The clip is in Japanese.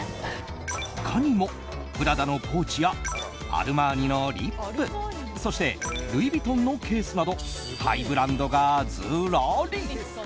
他にもプラダのポーチやアルマーニのリップそしてルイ・ヴィトンのケースなどハイブランドがずらり。